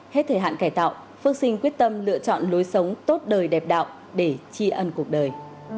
hết thời hạn cải tạo phước sinh quyết tâm lựa chọn lối sống tốt đời đẹp đạo để tri ân cuộc đời